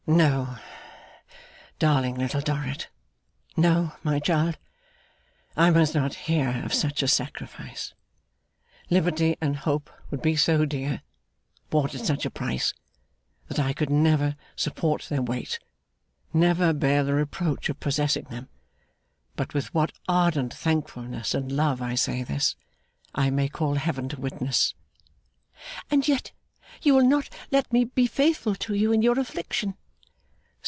'No, darling Little Dorrit. No, my child. I must not hear of such a sacrifice. Liberty and hope would be so dear, bought at such a price, that I could never support their weight, never bear the reproach of possessing them. But with what ardent thankfulness and love I say this, I may call Heaven to witness!' 'And yet you will not let me be faithful to you in your affliction?